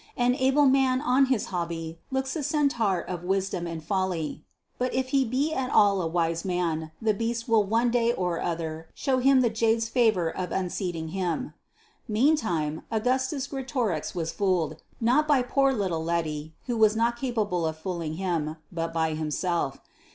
An able man on his hobby looks a centaur of wisdom and folly; but if he be at all a wise man, the beast will one day or other show him the jade's favour of unseating him. Meantime Augustus Greatorex was fooled, not by poor little Letty, who was not capable of fooling him, but by himself.